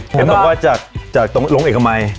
เห็นบอกว่าจากตรงโรงเอกมัย